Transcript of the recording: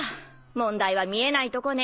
問題は見えないとこね。